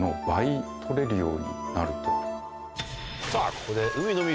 ここで。